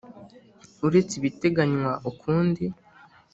Uretse ibiteganywa ukundi